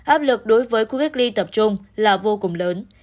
áp lực đối với khu cách ly tập trung là vô cùng lớn